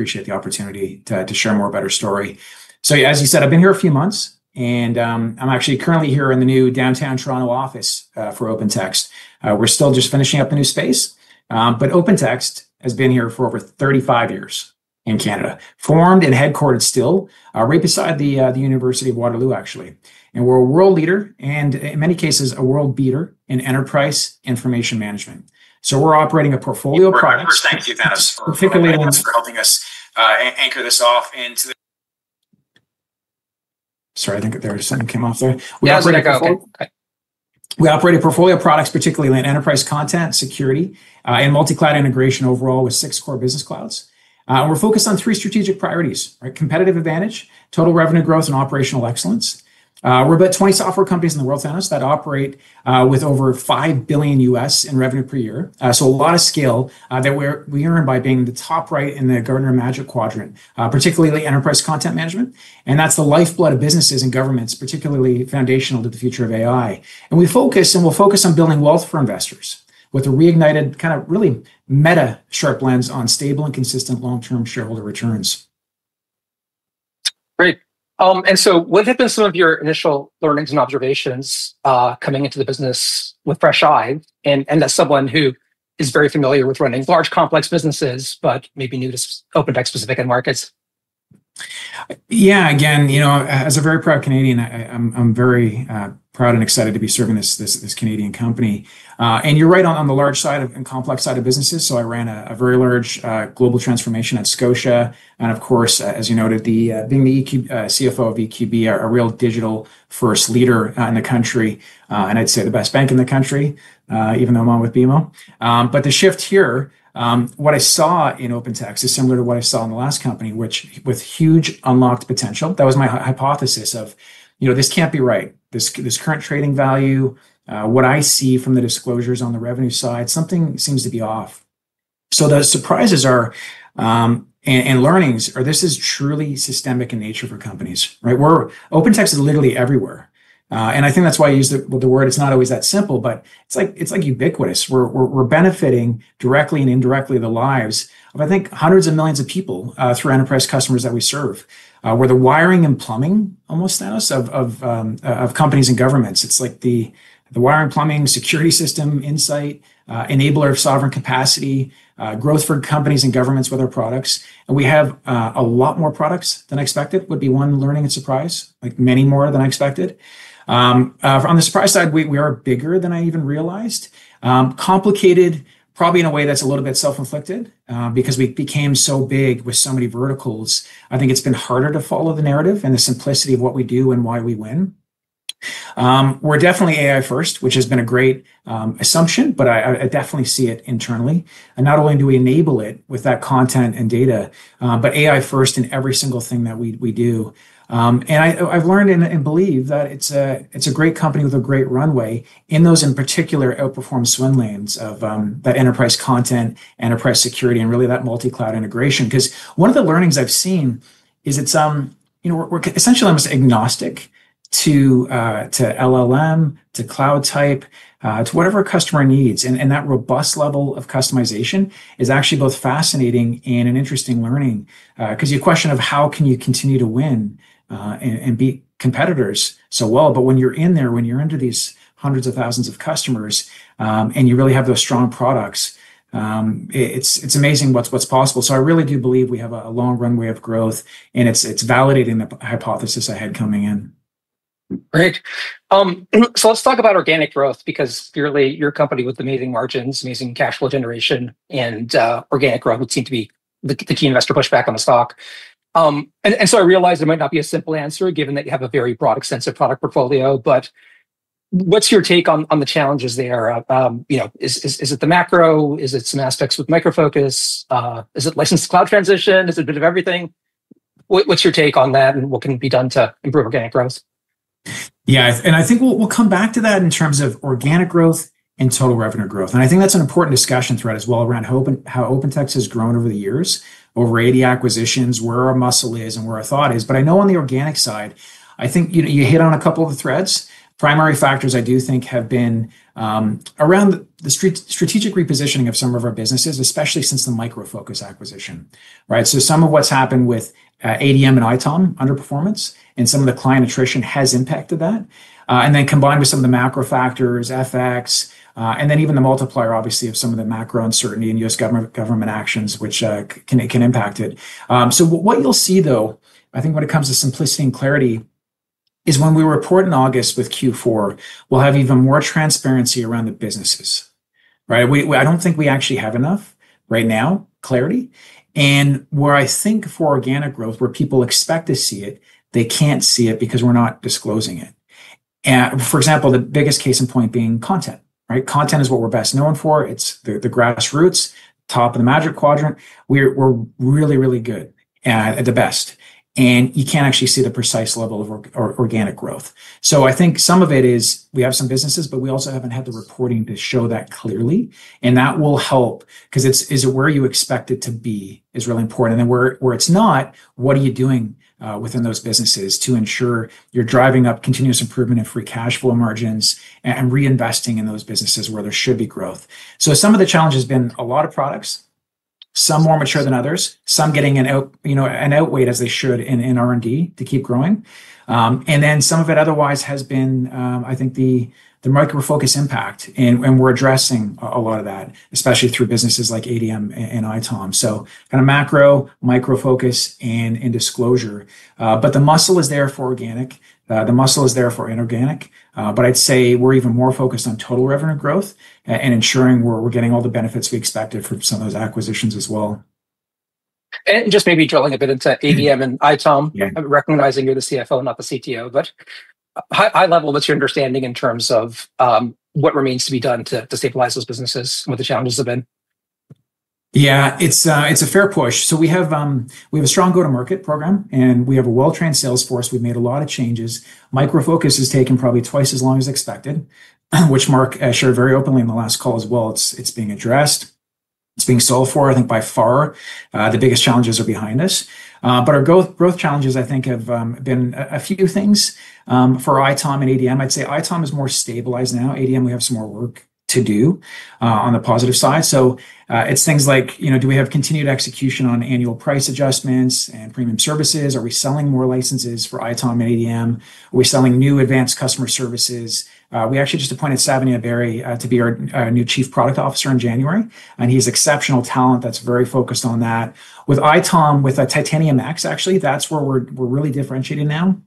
Appreciate the opportunity to share more about her story. As you said, I've been here a few months, and I'm actually currently here in the new downtown Toronto office for OpenText. We're still just finishing up the new space, but OpenText has been here for over 35 years in Canada, formed and headquartered still right beside the University of Waterloo, actually. We're a world leader and, in many cases, a world beater in Enterprise Information Management. We're operating a portfolio of products. Thank you, Madhus. Particularly. Thanks for helping us anchor this off into. Sorry, I think there was something that came off there. Yeah, we're back. We operate a portfolio of products, particularly in enterprise content, security, and multi-cloud integration overall with six core business clouds. We are focused on three strategic priorities: competitive advantage, total revenue growth, and operational excellence. We are about 20 software companies in the world, that operate with over $5 billion in revenue per year. A lot of scale that we earn by being the top right in the Gartner Magic Quadrant, particularly Enterprise Content Management. That is the lifeblood of businesses and governments, particularly foundational to the future of AI. We focus and will focus on building wealth for investors with a reignited kind of really meta sharp lens on stable and consistent long-term shareholder returns. Great. What have been some of your initial learnings and observations coming into the business with fresh eyes? As someone who is very familiar with running large complex businesses, but maybe new to OpenText specific end markets. Yeah, again, as a very proud Canadian, I'm very proud and excited to be serving this Canadian company. You're right on the large side and complex side of businesses. I ran a very large global transformation at Scotia. Of course, as you noted, being the CFO of EQB, a real digital first leader in the country, and I'd say the best bank in the country, even though I'm on with BMO. The shift here, what I saw in OpenText is similar to what I saw in the last company, which with huge unlocked potential. That was my hypothesis of, this can't be right. This current trading value, what I see from the disclosures on the revenue side, something seems to be off. The surprises are and learnings are this is truly systemic in nature for companies. OpenText is literally everywhere. I think that's why I use the word, it's not always that simple, but it's like ubiquitous. We're benefiting directly and indirectly the lives of, I think, hundreds of millions of people through enterprise customers that we serve. We're the wiring and plumbing, almost, of companies and governments. It's like the wiring, plumbing, security system insight, enabler of sovereign capacity, growth for companies and governments with our products. We have a lot more products than expected, would be one learning and surprise, like many more than I expected. On the surprise side, we are bigger than I even realized. Complicated, probably in a way that's a little bit self-inflicted because we became so big with so many verticals. I think it's been harder to follow the narrative and the simplicity of what we do and why we win. We're definitely AI first, which has been a great assumption, but I definitely see it internally. Not only do we enable it with that content and data, but AI first in every single thing that we do. I've learned and believe that it's a great company with a great runway in those in particular outperform swim lanes of that enterprise content, enterprise security, and really that multi-cloud integration. One of the learnings I've seen is it's essentially almost agnostic to LLM, to cloud type, to whatever a customer needs. That robust level of customization is actually both fascinating and an interesting learning. Your question of how can you continue to win and beat competitors so well? When you're in there, when you're under these hundreds of thousands of customers and you really have those strong products, it's amazing what's possible. I really do believe we have a long runway of growth, and it's validating the hypothesis I had coming in. Great. Let's talk about organic growth because clearly your company with amazing margins, amazing cash flow generation, and organic growth would seem to be the key investor pushback on the stock. I realize it might not be a simple answer given that you have a very broad, extensive product portfolio. What's your take on the challenges there? Is it the macro? Is it some aspects with Micro Focus? Is it license cloud transition? Is it a bit of everything? What's your take on that and what can be done to improve organic growth? Yeah, and I think we'll come back to that in terms of organic growth and total revenue growth. I think that's an important discussion thread as well around how OpenText has grown over the years, over 80 acquisitions, where our muscle is and where our thought is. I know on the organic side, I think you hit on a couple of the threads. Primary factors I do think have been around the strategic repositioning of some of our businesses, especially since the Micro Focus acquisition. Some of what's happened with ADM and ITOM underperformance and some of the client attrition has impacted that. Then combined with some of the macro factors, FX, and then even the multiplier, obviously, of some of the macro uncertainty in U.S. government actions, which can impact it. What you'll see, though, I think when it comes to simplicity and clarity, is when we report in August with Q4, we'll have even more transparency around the businesses. I don't think we actually have enough right now, clarity. Where I think for organic growth, where people expect to see it, they can't see it because we're not disclosing it. For example, the biggest case in point being content. Content is what we're best known for. It's the grassroots, top of the Magic Quadrant. We're really, really good at the best. You can't actually see the precise level of organic growth. I think some of it is we have some businesses, but we also haven't had the reporting to show that clearly. That will help because is it where you expect it to be is really important. Where it's not, what are you doing within those businesses to ensure you're driving up continuous improvement and free cash flow margins and reinvesting in those businesses where there should be growth? Some of the challenge has been a lot of products, some more mature than others, some getting an outweight as they should in R&D to keep growing. Some of it otherwise has been, I think, the Micro Focus impact. We're addressing a lot of that, especially through businesses like ADM and ITOM. Kind of macro, Micro Focus, and disclosure. The muscle is there for organic. The muscle is there for inorganic. I'd say we're even more focused on total revenue growth and ensuring we're getting all the benefits we expected from some of those acquisitions as well. Maybe drilling a bit into ADM and ITOM, recognizing you're the CFO, not the CTO, but high level, what's your understanding in terms of what remains to be done to stabilize those businesses and what the challenges have been? Yeah, it's a fair push. We have a strong go-to-market program, and we have a well-trained sales force. We've made a lot of changes. Micro Focus has taken probably twice as long as expected, which Mark shared very openly in the last call as well. It's being addressed. It's being solved for, I think, by far. The biggest challenges are behind us. Our growth challenges, I think, have been a few things for ITOM and ADM. I'd say ITOM is more stabilized now. ADM, we have some more work to do on the positive side. It's things like, do we have continued execution on annual price adjustments and premium services? Are we selling more licenses for ITOM and ADM? Are we selling new advanced customer services? We actually just appointed Savinay Berry to be our new Chief Product Officer in January. He has exceptional talent that's very focused on that. With ITOM, with Titanium X, actually, that's where we're really differentiating now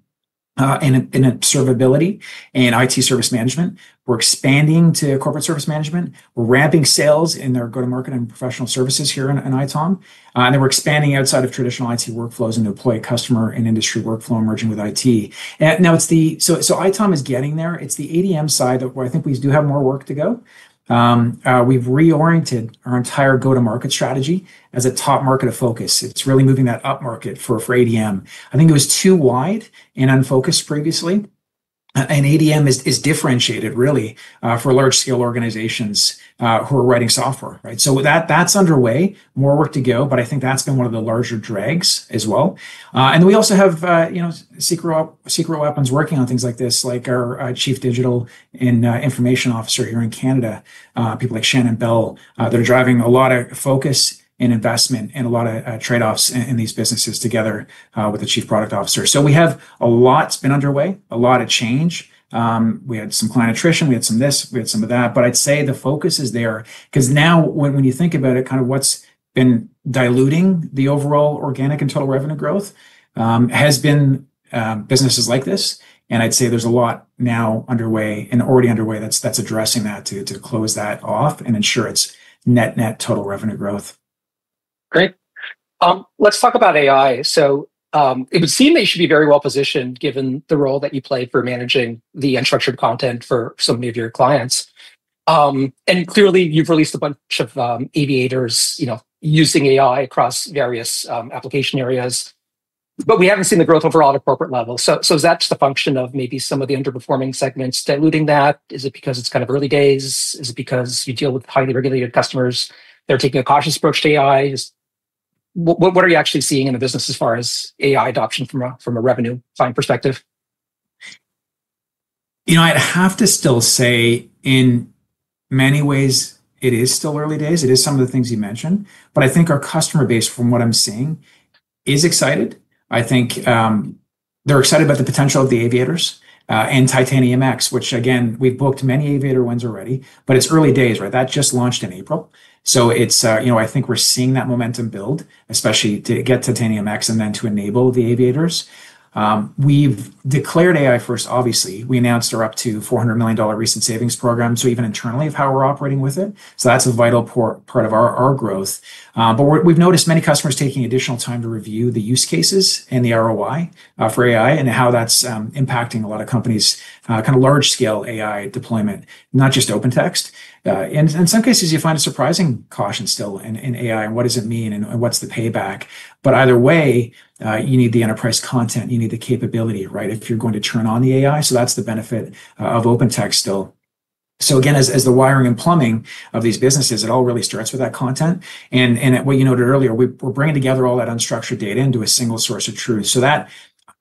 in observability and IT service management. We're expanding to corporate service management. We're ramping sales in our go-to-market and professional services here in ITOM. We are expanding outside of traditional IT workflows and deploy customer and industry workflow emerging with IT. ITOM is getting there. It's the ADM side where I think we do have more work to go. We've reoriented our entire go-to-market strategy as a top market of focus. It's really moving that up market for ADM. I think it was too wide and unfocused previously. ADM is differentiated really for large-scale organizations who are writing software. That's underway, more work to go, but I think that's been one of the larger drags as well. We also have secret weapons working on things like this, like our Chief Digital and Information Officer here in Canada, people like Shannon Bell, that are driving a lot of focus and investment and a lot of trade-offs in these businesses together with the Chief Product Officer. We have a lot been underway, a lot of change. We had some client attrition, we had some this, we had some of that. I'd say the focus is there because now when you think about it, kind of what's been diluting the overall organic and total revenue growth has been businesses like this. I'd say there's a lot now underway and already underway that's addressing that to close that off and ensure it's net net total revenue growth. Great. Let's talk about AI. It would seem that you should be very well positioned given the role that you play for managing the unstructured content for so many of your clients. Clearly, you've released a bunch of Aviators using AI across various application areas. We haven't seen the growth overall at a corporate level. Is that just a function of maybe some of the underperforming segments diluting that? Is it because it's kind of early days? Is it because you deal with highly regulated customers? They're taking a cautious approach to AI? What are you actually seeing in the business as far as AI adoption from a revenue side perspective? I'd have to still say in many ways, it is still early days. It is some of the things you mentioned. I think our customer base, from what I'm seeing, is excited. I think they're excited about the potential of the Aviators and Titanium X, which again, we've booked many Aviator wins already, but it's early days. That just launched in April. I think we're seeing that momentum build, especially to get Titanium X and then to enable the Aviators. We've declared AI first, obviously. We announced our up to $400 million recent savings program, so even internally of how we're operating with it. That's a vital part of our growth. We've noticed many customers taking additional time to review the use cases and the ROI for AI and how that's impacting a lot of companies' kind of large-scale AI deployment, not just OpenText. In some cases, you find a surprising caution still in AI and what does it mean and what's the payback. Either way, you need the enterprise content. You need the capability if you're going to turn on the AI. That's the benefit of OpenText still. As the wiring and plumbing of these businesses, it all really starts with that content. What you noted earlier, we're bringing together all that unstructured data into a single source of truth. That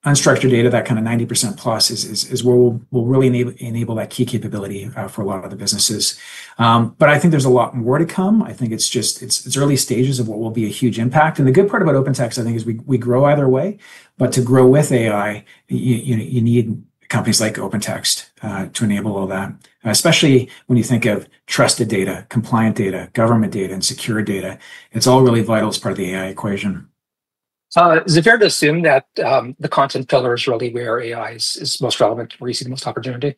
unstructured data, that kind of 90% plus, is what will really enable that key capability for a lot of the businesses. I think there's a lot more to come. I think it's just early stages of what will be a huge impact. The good part about OpenText, I think, is we grow either way. To grow with AI, you need companies like OpenText to enable all that, especially when you think of trusted data, compliant data, government data, and secure data. It's all really vital as part of the AI equation. Is it fair to assume that the content pillar is really where AI is most relevant, where you see the most opportunity?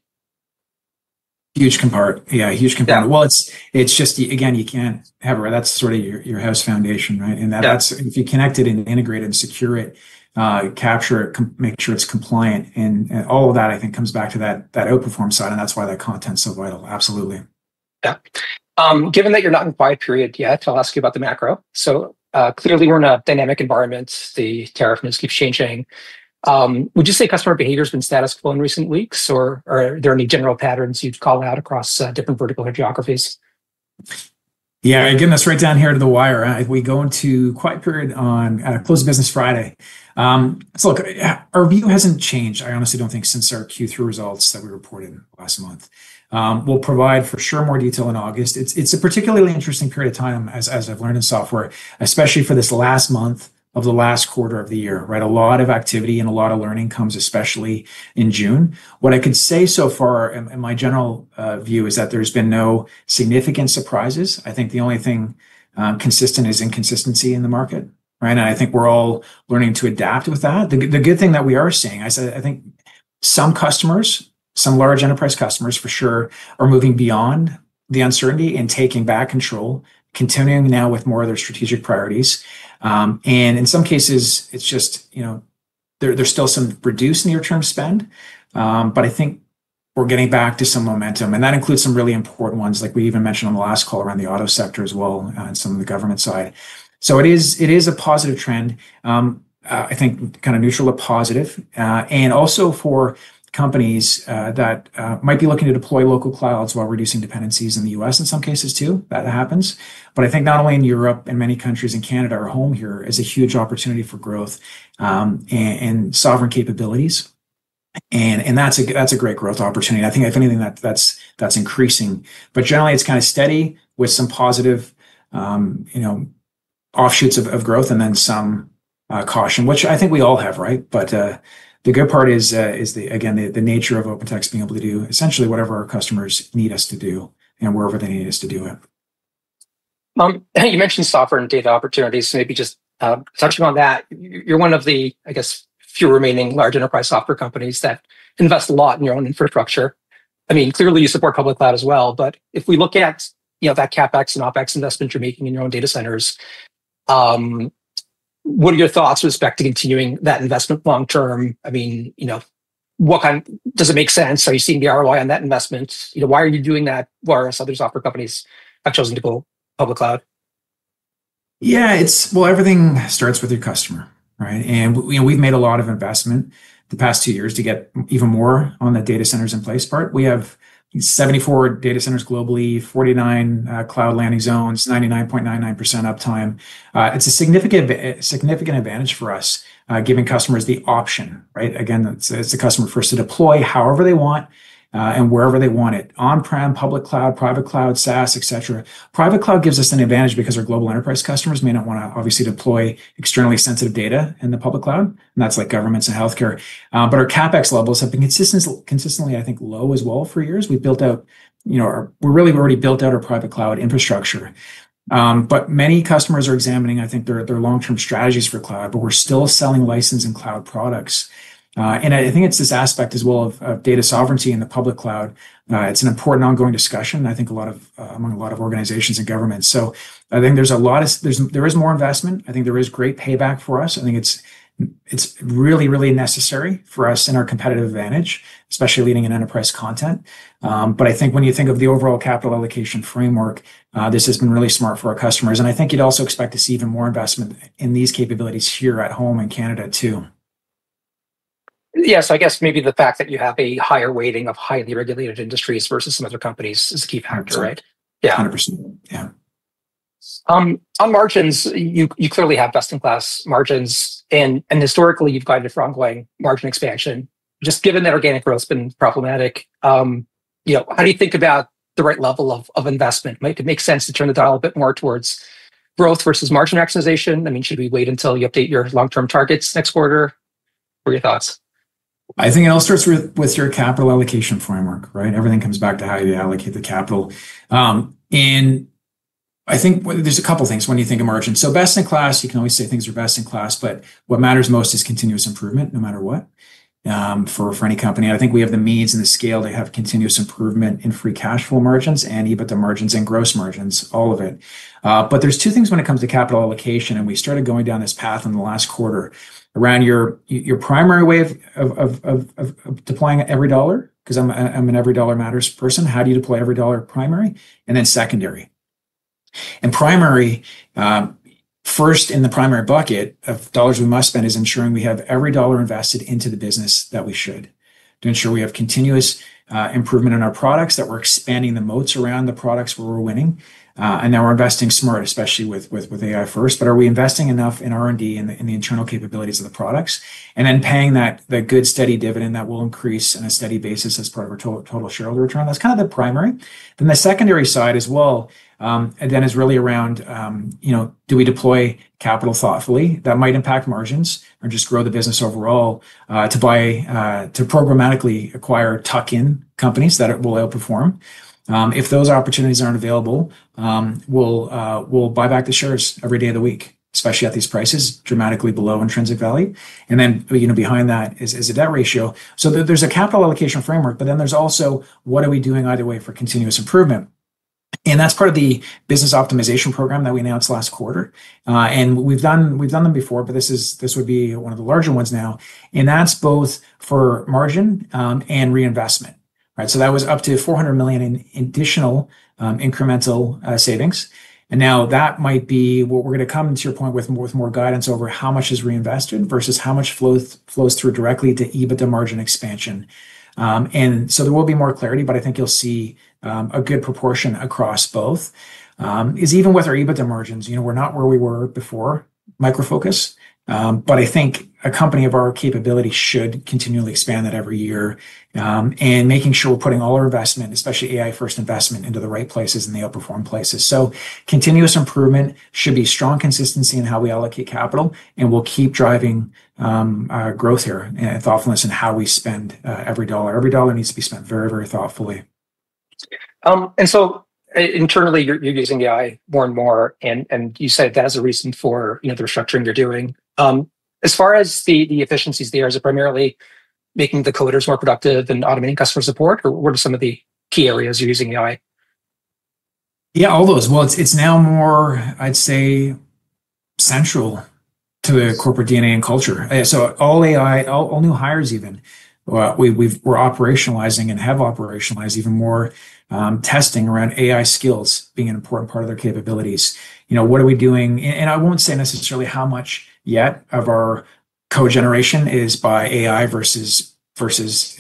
Huge component. Yeah, huge component. It is just, again, you cannot have that is sort of your house foundation. If you connect it and integrate and secure it, capture it, make sure it is compliant, all of that, I think, comes back to that outperform side. That is why that content is so vital. Absolutely. Yeah. Given that you're not in quiet period yet, I'll ask you about the macro. Clearly, we're in a dynamic environment. The tariff news keeps changing. Would you say customer behavior has been status quo in recent weeks, or are there any general patterns you'd call out across different vertical geographies? Yeah, I get us right down here to the wire. We go into quiet period on close of business Friday. Look, our view hasn't changed. I honestly don't think since our Q3 results that we reported last month. We'll provide for sure more detail in August. It's a particularly interesting period of time, as I've learned in software, especially for this last month of the last quarter of the year. A lot of activity and a lot of learning comes especially in June. What I could say so far in my general view is that there's been no significant surprises. I think the only thing consistent is inconsistency in the market. I think we're all learning to adapt with that. The good thing that we are seeing, I think some customers, some large enterprise customers for sure, are moving beyond the uncertainty and taking back control, continuing now with more of their strategic priorities. In some cases, it's just there's still some reduced near-term spend. I think we're getting back to some momentum. That includes some really important ones, like we even mentioned on the last call around the auto sector as well and some of the government side. It is a positive trend, I think kind of neutral to positive. Also for companies that might be looking to deploy local clouds while reducing dependencies in the U.S. in some cases too, that happens. I think not only in Europe, in many countries and Canada, our home here is a huge opportunity for growth and sovereign capabilities. That's a great growth opportunity. I think if anything, that's increasing. Generally, it's kind of steady with some positive offshoots of growth and then some caution, which I think we all have. The good part is, again, the nature of OpenText being able to do essentially whatever our customers need us to do and wherever they need us to do it. You mentioned software and data opportunities. Maybe just touching on that. You're one of the, I guess, few remaining large enterprise software companies that invest a lot in your own infrastructure. I mean, clearly, you support public cloud as well. If we look at that CapEx and OpEx investment you're making in your own data centers, what are your thoughts with respect to continuing that investment long term? I mean, does it make sense? Are you seeing the ROI on that investment? Why are you doing that? Whereas other software companies have chosen to go public cloud? Yeah, everything starts with your customer. We've made a lot of investment the past two years to get even more on the data centers in place part. We have 74 data centers globally, 49 cloud landing zones, 99.99% uptime. It's a significant advantage for us giving customers the option. Again, it's a customer first to deploy however they want and wherever they want it, on-prem, public cloud, private cloud, SaaS, etc. Private cloud gives us an advantage because our global enterprise customers may not want to obviously deploy externally sensitive data in the public cloud. That's like governments and healthcare. Our CapEx levels have been consistently, I think, low as well for years. We built out, we really already built out our private cloud infrastructure. Many customers are examining, I think, their long-term strategies for cloud, but we're still selling licensed and cloud products. I think it's this aspect as well of data sovereignty in the public cloud. It's an important ongoing discussion, I think, among a lot of organizations and governments. I think there's a lot of, there is more investment. I think there is great payback for us. I think it's really, really necessary for us and our competitive advantage, especially leading in enterprise content. I think when you think of the overall capital allocation framework, this has been really smart for our customers. I think you'd also expect to see even more investment in these capabilities here at home in Canada too. Yeah, so I guess maybe the fact that you have a higher weighting of highly regulated industries versus some other companies is a key factor, right? 100%. Yeah. On margins, you clearly have best-in-class margins. And historically, you've guided for ongoing margin expansion. Just given that organic growth has been problematic, how do you think about the right level of investment? Might it make sense to turn the dial a bit more towards growth versus margin maximization? I mean, should we wait until you update your long-term targets next quarter? What are your thoughts? I think it all starts with your capital allocation framework. Everything comes back to how you allocate the capital. I think there are a couple of things when you think of margin. Best-in-class, you can always say things are best-in-class, but what matters most is continuous improvement no matter what for any company. I think we have the means and the scale to have continuous improvement in free cash flow margins and even the margins and gross margins, all of it. There are two things when it comes to capital allocation. We started going down this path in the last quarter around your primary way of deploying every dollar because I'm an every dollar matters person. How do you deploy every dollar primary and then secondary? Primary, first in the primary bucket of dollars we must spend is ensuring we have every dollar invested into the business that we should to ensure we have continuous improvement in our products, that we're expanding the moats around the products where we're winning. Now we're investing smart, especially with AI first. Are we investing enough in R&D and the internal capabilities of the products and then paying that good steady dividend that will increase on a steady basis as part of our total shareholder return? That's kind of the primary. The secondary side as well is really around, do we deploy capital thoughtfully that might impact margins or just grow the business overall to programmatically acquire tuck-in companies that will outperform? If those opportunities aren't available, we'll buy back the shares every day of the week, especially at these prices dramatically below intrinsic value. There is a debt ratio. There is a capital allocation framework, but then there is also what are we doing either way for continuous improvement? That is part of the business optimization program that we announced last quarter. We have done them before, but this would be one of the larger ones now. That is both for margin and reinvestment. That was up to $400 million in additional incremental savings. That might be what we are going to come to your point with more guidance over how much is reinvested versus how much flows through directly to EBITDA margin expansion. There will be more clarity, but I think you will see a good proportion across both. Even with our EBITDA margins, we are not where we were before Micro Focus. I think a company of our capability should continually expand that every year and making sure we're putting all our investment, especially AI first investment, into the right places and the outperform places. Continuous improvement should be strong consistency in how we allocate capital. We'll keep driving growth here and thoughtfulness in how we spend every dollar. Every dollar needs to be spent very, very thoughtfully. Internally, you're using AI more and more. You said that's a reason for the restructuring you're doing. As far as the efficiencies there, is it primarily making the coders more productive and automating customer support? What are some of the key areas you're using AI? Yeah, all those. It is now more, I'd say, central to a corporate DNA and culture. So all AI, all new hires even, we're operationalizing and have operationalized even more testing around AI skills being an important part of their capabilities. What are we doing? I won't say necessarily how much yet of our code generation is by AI versus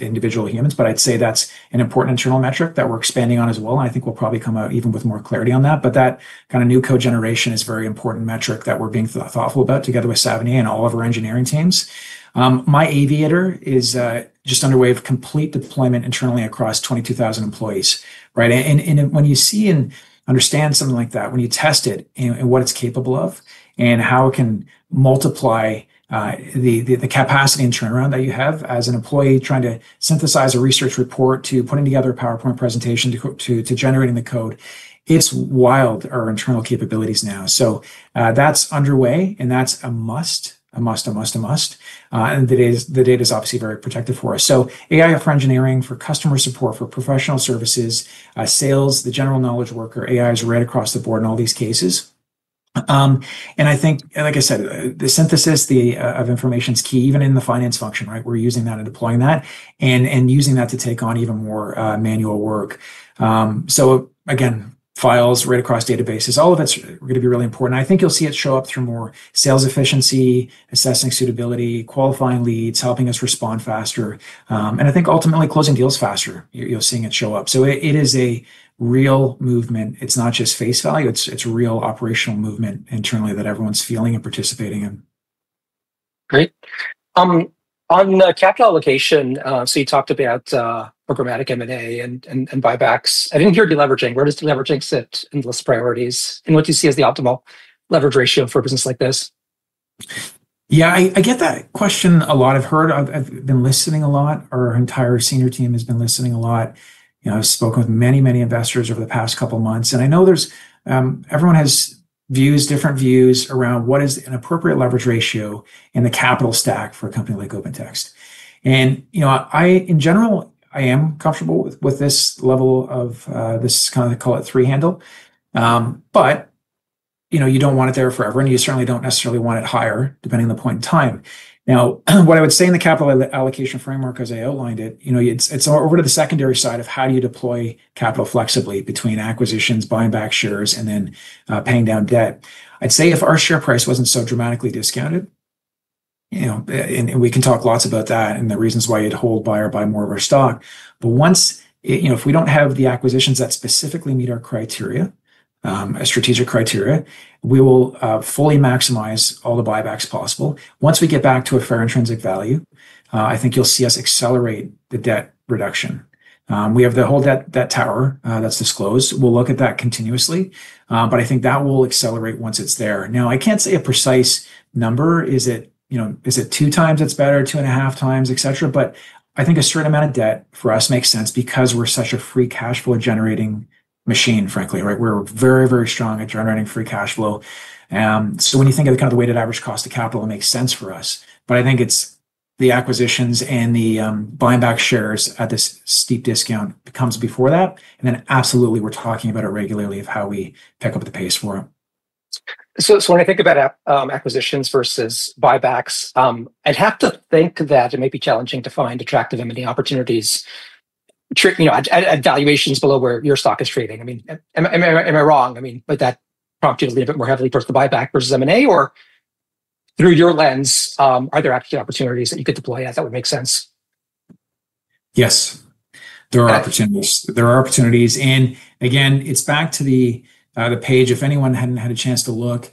individual humans. I'd say that's an important internal metric that we're expanding on as well. I think we'll probably come out even with more clarity on that. That kind of new code generation is a very important metric that we're being thoughtful about together with Savinay and all of our engineering teams. My Aviator is just underway of complete deployment internally across 22,000 employees. When you see and understand something like that, when you test it and what it's capable of and how it can multiply the capacity and turnaround that you have as an employee trying to synthesize a research report to putting together a PowerPoint presentation to generating the code, it's wild our internal capabilities now. That is underway. That is a must, a must, a must, a must. The data is obviously very protective for us. AI for engineering, for customer support, for professional services, sales, the general knowledge worker, AI is right across the board in all these cases. I think, like I said, the synthesis of information is key even in the finance function. We're using that and deploying that and using that to take on even more manual work. Files right across databases, all of it is going to be really important. I think you'll see it show up through more sales efficiency, assessing suitability, qualifying leads, helping us respond faster. I think ultimately closing deals faster, you'll see it show up. It is a real movement. It's not just face value. It's a real operational movement internally that everyone's feeling and participating in. Great. On the capital allocation, you talked about programmatic M&A and buybacks. I did not hear deleveraging. Where does deleveraging sit in the list of priorities? What do you see as the optimal leverage ratio for a business like this? Yeah, I get that question a lot. I've heard, I've been listening a lot. Our entire senior team has been listening a lot. I've spoken with many, many investors over the past couple of months. I know everyone has views, different views around what is an appropriate leverage ratio in the capital stack for a company like OpenText. In general, I am comfortable with this level of this kind of, call it three handle. You do not want it there forever. You certainly do not necessarily want it higher depending on the point in time. What I would say in the capital allocation framework, as I outlined it, it is over to the secondary side of how do you deploy capital flexibly between acquisitions, buying back shares, and then paying down debt. I'd say if our share price wasn't so dramatically discounted, and we can talk lots about that and the reasons why you'd hold, buy, or buy more of our stock. Once, if we don't have the acquisitions that specifically meet our criteria, our strategic criteria, we will fully maximize all the buybacks possible. Once we get back to a fair intrinsic value, I think you'll see us accelerate the debt reduction. We have the whole debt tower that's disclosed. We'll look at that continuously. I think that will accelerate once it's there. Now, I can't say a precise number. Is it two times it's better, two and a half times, etc.? I think a certain amount of debt for us makes sense because we're such a free cash flow generating machine, frankly. We're very, very strong at generating free cash flow. When you think of the kind of weighted average cost of capital, it makes sense for us. I think it's the acquisitions and the buying back shares at this steep discount comes before that. Absolutely, we're talking about it regularly of how we pick up the pace for it. When I think about acquisitions versus buybacks, I'd have to think that it may be challenging to find attractive M&A opportunities, valuations below where your stock is trading. I mean, am I wrong? I mean, would that prompt you to lean a bit more heavily towards the buyback versus M&A? Or through your lens, are there actually opportunities that you could deploy as that would make sense? Yes, there are opportunities. There are opportunities. Again, it's back to the page. If anyone hadn't had a chance to look,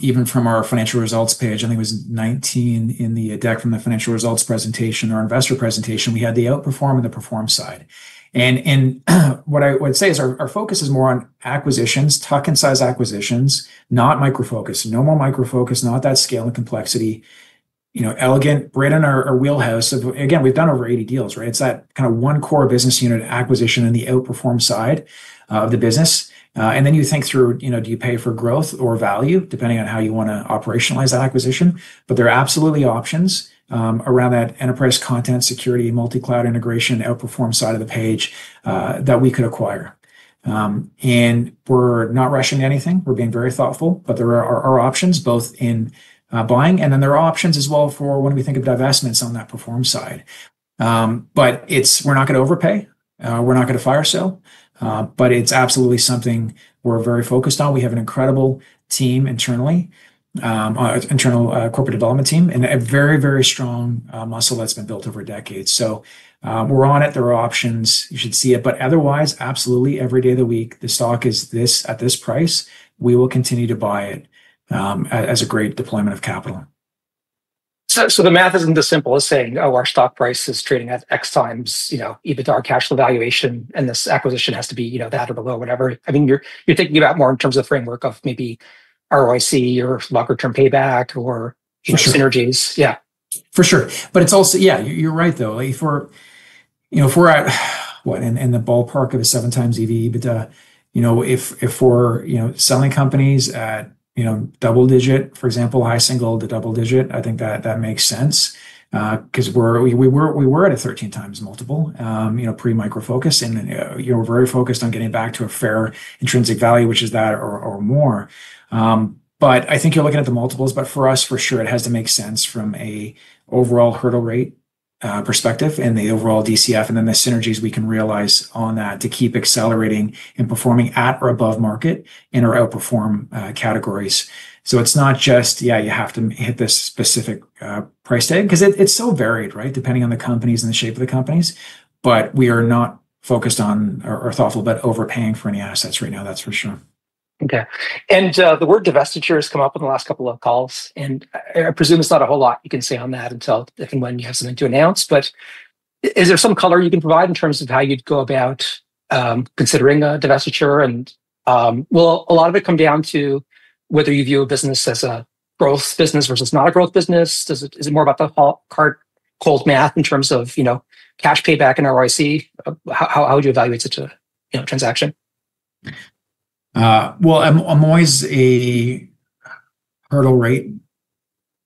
even from our financial results page, I think it was 19 in the deck from the financial results presentation or investor presentation, we had the outperform and the perform side. What I would say is our focus is more on acquisitions, tuck-in-size acquisitions, not Micro Focus, no more Micro Focus, not that scale and complexity. Elegant, Brennan or Wheelhouse. Again, we've done over 80 deals. It's that kind of one core business unit acquisition in the outperform side of the business. Then you think through, do you pay for growth or value depending on how you want to operationalize that acquisition? There are absolutely options around that enterprise content, security, multi-cloud integration, outperform side of the page that we could acquire. We're not rushing anything. We're being very thoughtful. There are options both in buying. There are options as well for when we think of divestments on that perform side. We're not going to overpay. We're not going to fire sale. It's absolutely something we're very focused on. We have an incredible team internally, internal corporate development team and a very, very strong muscle that's been built over decades. We're on it. There are options. You should see it. Otherwise, absolutely every day of the week, the stock is at this price. We will continue to buy it as a great deployment of capital. The math isn't as simple as saying, oh, our stock price is trading at X times EBITDA or cash flow valuation. This acquisition has to be that or below, whatever. I mean, you're thinking about more in terms of framework of maybe ROIC or longer-term payback or synergies. Yeah. For sure. But it's also, yeah, you're right though. If we're at, what, in the ballpark of a seven times EV/EBITDA, if we're selling companies at double digit, for example, high single to double digit, I think that makes sense because we were at a 13 times multiple pre-Micro Focus. And we're very focused on getting back to a fair intrinsic value, which is that or more. But I think you're looking at the multiples. But for us, for sure, it has to make sense from an overall hurdle rate perspective and the overall DCF and then the synergies we can realize on that to keep accelerating and performing at or above market in our outperform categories. So it's not just, yeah, you have to hit this specific price tag because it's so varied depending on the companies and the shape of the companies. We are not focused on or thoughtful about overpaying for any assets right now. That's for sure. Okay. The word divestiture has come up in the last couple of calls. I presume there's not a whole lot you can say on that until if and when you have something to announce. Is there some color you can provide in terms of how you'd go about considering a divestiture? Will a lot of it come down to whether you view a business as a growth business versus not a growth business? Is it more about the cold math in terms of cash payback and ROIC? How would you evaluate such a transaction? I'm always a hurdle rate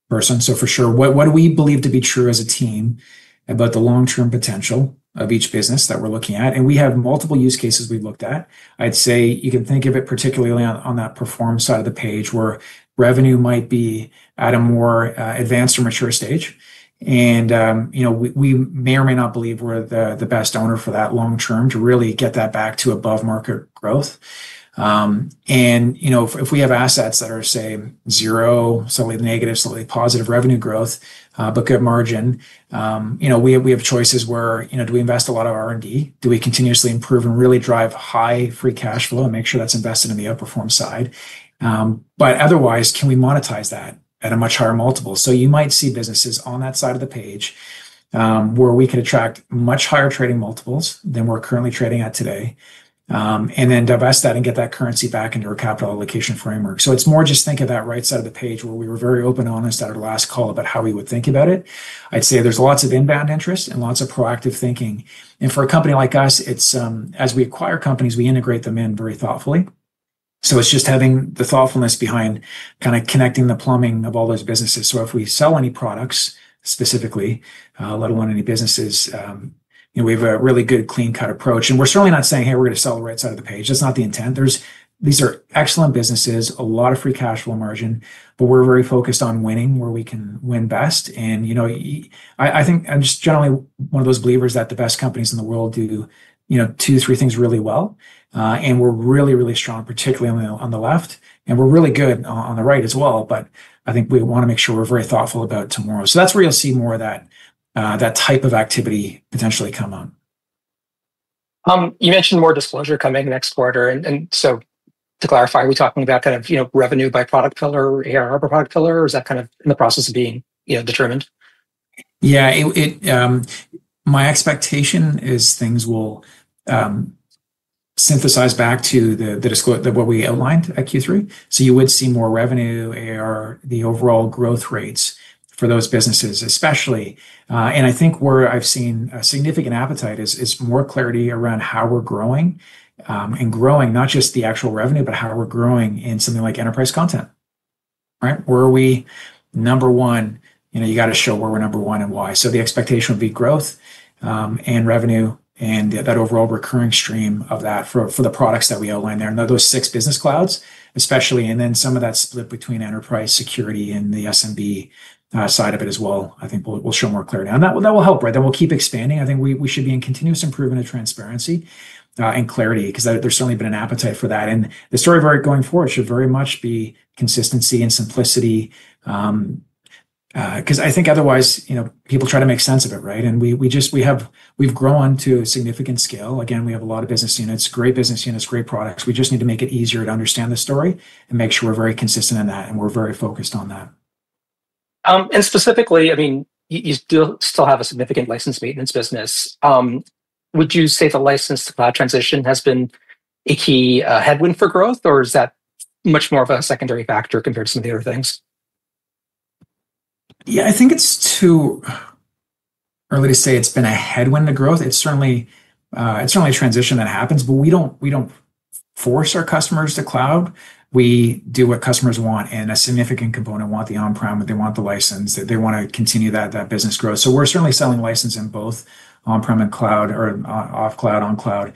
person, so for sure. What do we believe to be true as a team about the long-term potential of each business that we're looking at? We have multiple use cases we've looked at. I'd say you can think of it particularly on that perform side of the page where revenue might be at a more advanced or mature stage. We may or may not believe we're the best owner for that long-term to really get that back to above market growth. If we have assets that are, say, zero, slightly negative, slightly positive revenue growth, but good margin, we have choices where do we invest a lot of R&D? Do we continuously improve and really drive high free cash flow and make sure that's invested in the outperform side? Otherwise, can we monetize that at a much higher multiple? You might see businesses on that side of the page where we could attract much higher trading multiples than we're currently trading at today and then divest that and get that currency back into our capital allocation framework. It is more just think of that right side of the page where we were very open and honest at our last call about how we would think about it. I'd say there's lots of inbound interest and lots of proactive thinking. For a company like us, as we acquire companies, we integrate them in very thoughtfully. It is just having the thoughtfulness behind kind of connecting the plumbing of all those businesses. If we sell any products specifically, let alone any businesses, we have a really good clean cut approach. We are certainly not saying, hey, we are going to sell the right side of the page. That's not the intent. These are excellent businesses, a lot of free cash flow margin, but we're very focused on winning where we can win best. I think I'm just generally one of those believers that the best companies in the world do two, three things really well. We're really, really strong, particularly on the left. We're really good on the right as well. I think we want to make sure we're very thoughtful about tomorrow. That's where you'll see more of that type of activity potentially come on. You mentioned more disclosure coming next quarter. To clarify, are we talking about kind of revenue by product pillar or ARR by product pillar? Or is that kind of in the process of being determined? Yeah. My expectation is things will synthesize back to what we outlined at Q3. You would see more revenue or the overall growth rates for those businesses, especially. I think where I've seen a significant appetite is more clarity around how we're growing and growing, not just the actual revenue, but how we're growing in something like enterprise content. Where are we? Number one, you got to show where we're number one and why. The expectation would be growth in revenue and that overall recurring stream of that for the products that we outline there. Those six business clouds, especially, and then some of that split between enterprise security and the SMB side of it as well, I think we'll show more clarity. That will help. We will keep expanding. I think we should be in continuous improvement of transparency and clarity because there's certainly been an appetite for that. The story of our going forward should very much be consistency and simplicity because I think otherwise people try to make sense of it. We've grown to a significant scale. Again, we have a lot of business units, great business units, great products. We just need to make it easier to understand the story and make sure we're very consistent in that. We're very focused on that. Specifically, I mean, you still have a significant license maintenance business. Would you say the license to cloud transition has been a key headwind for growth? Is that much more of a secondary factor compared to some of the other things? Yeah, I think it's too early to say it's been a headwind to growth. It's certainly a transition that happens. We don't force our customers to cloud. We do what customers want in a significant component. They want the on-prem. They want the license. They want to continue that business growth. We're certainly selling license in both on-prem and cloud or off-cloud, on-cloud,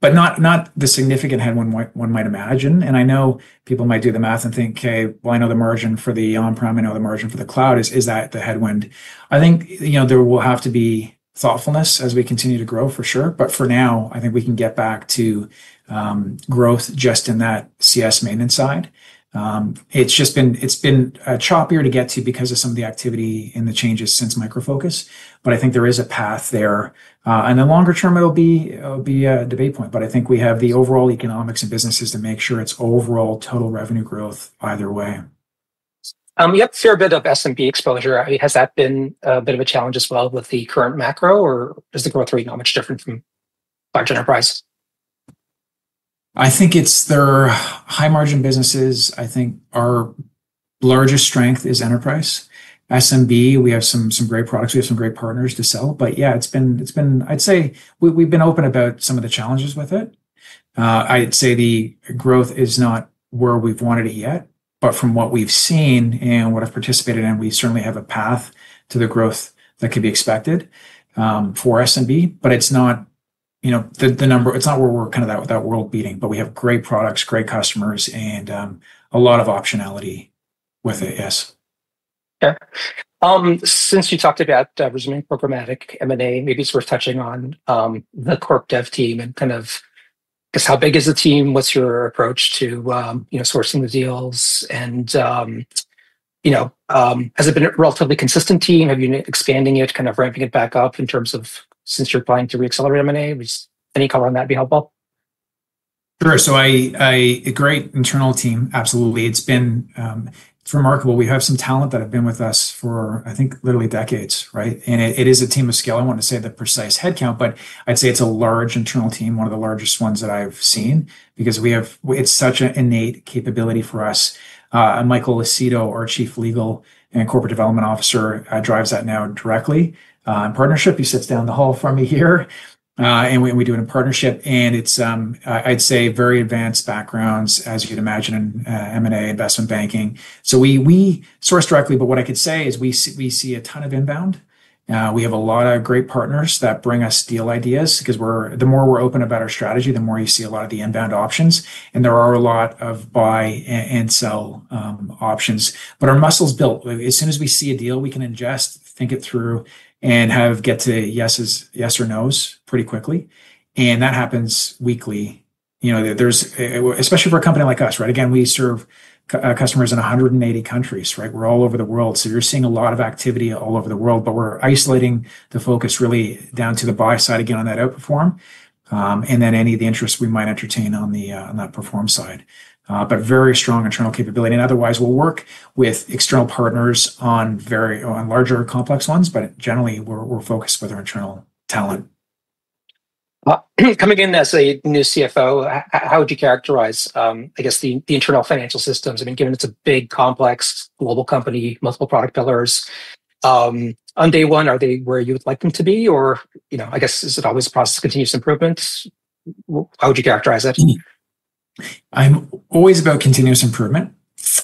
but not the significant headwind one might imagine. I know people might do the math and think, okay, well, I know the margin for the on-prem. I know the margin for the cloud. Is that the headwind? I think there will have to be thoughtfulness as we continue to grow, for sure. For now, I think we can get back to growth just in that CS maintenance side. It's been choppier to get to because of some of the activity and the changes since Micro Focus. I think there is a path there. In the longer term, it'll be a debate point. I think we have the overall economics and businesses to make sure it's overall total revenue growth either way. You have to share a bit of SMB exposure. Has that been a bit of a challenge as well with the current macro? Or is the growth rate not much different from large enterprise? I think they are high-margin businesses. I think our largest strength is enterprise. SMB, we have some great products. We have some great partners to sell. Yeah, it's been, I'd say we have been open about some of the challenges with it. I'd say the growth is not where we have wanted it yet. From what we have seen and what I have participated in, we certainly have a path to the growth that can be expected for SMB. It's not the number, it's not where we are kind of that world beating. We have great products, great customers, and a lot of optionality with it, yes. Okay. Since you talked about resuming programmatic M&A, maybe it's worth touching on the corp dev team and kind of just how big is the team? What's your approach to sourcing the deals? Has it been a relatively consistent team? Have you been expanding it, kind of ramping it back up in terms of since you're applying to re-accelerate M&A? Would any color on that be helpful? Sure. A great internal team, absolutely. It's remarkable. We have some talent that have been with us for, I think, literally decades. It is a team of skill. I won't say the precise headcount, but I'd say it's a large internal team, one of the largest ones that I've seen because it's such an innate capability for us. Michael Acedo, our Chief Legal and Corporate Development Officer, drives that now directly in partnership. He sits down the hall from me here. We do it in partnership. It's, I'd say, very advanced backgrounds, as you'd imagine, in M&A, investment banking. We source directly. What I could say is we see a ton of inbound. We have a lot of great partners that bring us deal ideas because the more we're open about our strategy, the more you see a lot of the inbound options. There are a lot of buy and sell options. Our muscle's built. As soon as we see a deal, we can ingest, think it through, and get to yes or nos pretty quickly. That happens weekly, especially for a company like us. Again, we serve customers in 180 countries. We're all over the world. You're seeing a lot of activity all over the world. We're isolating the focus really down to the buy side again on that outperform and then any of the interests we might entertain on that perform side. Very strong internal capability. Otherwise, we'll work with external partners on larger complex ones. Generally, we're focused with our internal talent. Coming in as a new CFO, how would you characterize, I guess, the internal financial systems? I mean, given it's a big, complex, global company, multiple product pillars, on day one, are they where you would like them to be? Or I guess, is it always a process of continuous improvement? How would you characterize it? I'm always about continuous improvement.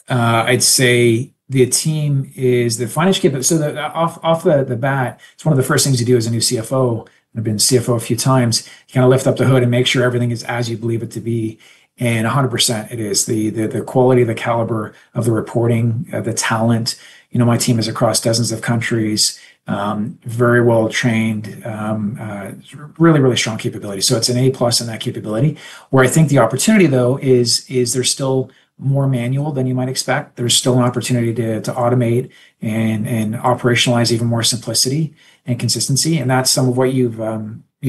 I'd say the team is the finest capability. Off the bat, it's one of the first things you do as a new CFO, and I've been CFO a few times, kind of lift up the hood and make sure everything is as you believe it to be and 100% it is. The quality of the caliber of the reporting, the talent. My team is across dozens of countries, very well trained, really, really strong capability. It's an A-plus in that capability. Where I think the opportunity, though, is there's still more manual than you might expect. There's still an opportunity to automate and operationalize even more simplicity and consistency. That's some of what you've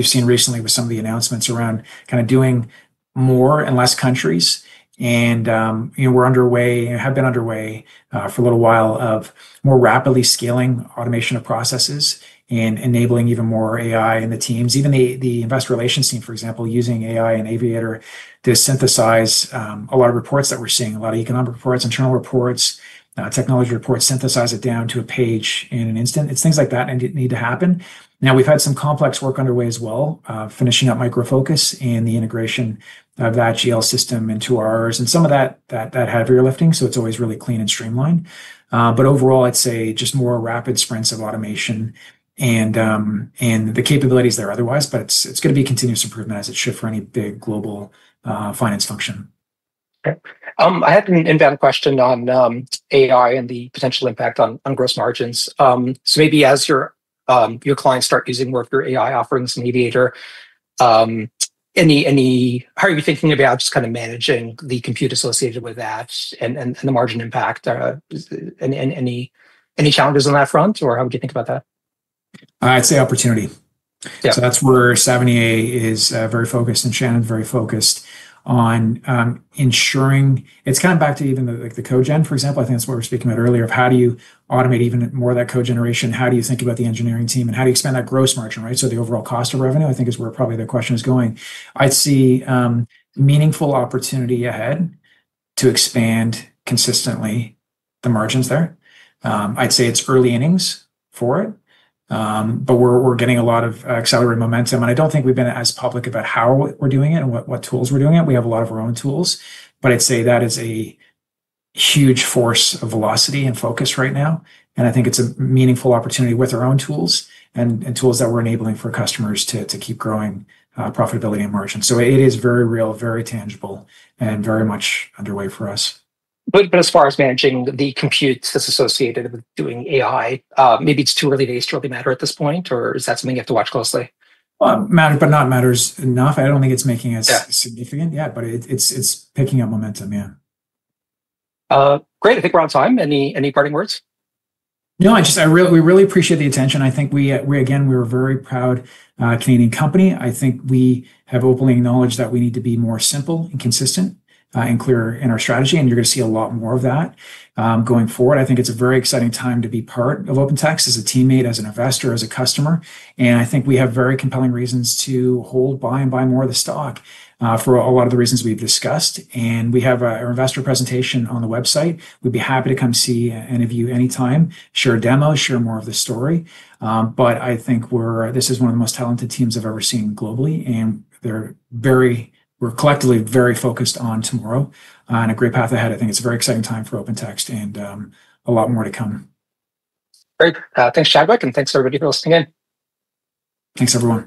seen recently with some of the announcements around kind of doing more in fewer countries. We're underway, have been underway for a little while of more rapidly scaling automation of processes and enabling even more AI in the teams. Even the investor relations team, for example, using AI and Aviator to synthesize a lot of reports that we're seeing, a lot of economic reports, internal reports, technology reports, synthesize it down to a page in an instant. It's things like that that need to happen. Now, we've had some complex work underway as well, finishing up Micro Focus and the integration of that GL system into ours. Some of that had real lifting. It's always really clean and streamlined. Overall, I'd say just more rapid sprints of automation and the capabilities there otherwise. It's going to be continuous improvement as it should for any big global finance function. Okay. I had an inbound question on AI and the potential impact on gross margins. Maybe as your clients start using more of your AI offerings in Aviator, how are you thinking about just kind of managing the compute associated with that and the margin impact? Any challenges on that front? How would you think about that? I'd say opportunity. That's where Savinay is very focused and Shannon's very focused on ensuring. It's kind of back to even the cogeneration, for example. I think that's what we were speaking about earlier of how do you automate even more of that cogeneration? How do you think about the engineering team? And how do you expand that gross margin? The overall cost of revenue, I think, is where probably the question is going. I'd see meaningful opportunity ahead to expand consistently the margins there. I'd say it's early innings for it. We're getting a lot of accelerated momentum. I don't think we've been as public about how we're doing it and what tools we're doing it. We have a lot of our own tools. I'd say that is a huge force of velocity and focus right now. I think it's a meaningful opportunity with our own tools and tools that we're enabling for customers to keep growing profitability and margin. It is very real, very tangible, and very much underway for us. As far as managing the compute that's associated with doing AI, maybe it's too early days to really matter at this point? Or is that something you have to watch closely? Matters, but not matters enough. I do not think it is making us significant yet. It is picking up momentum, yeah. Great. I think we're on time. Any parting words? No. We really appreciate the attention. I think, again, we're a very proud Canadian company. I think we have openly acknowledged that we need to be more simple and consistent and clearer in our strategy. You're going to see a lot more of that going forward. I think it's a very exciting time to be part of OpenText as a teammate, as an investor, as a customer. I think we have very compelling reasons to hold, buy, and buy more of the stock for a lot of the reasons we've discussed. We have our investor presentation on the website. We'd be happy to come see any of you anytime, share a demo, share more of the story. I think this is one of the most talented teams I've ever seen globally. We're collectively very focused on tomorrow and a great path ahead. I think it's a very exciting time for OpenText and a lot more to come. Great. Thanks, Chadwick. Thanks, everybody, for listening in. Thanks, everyone.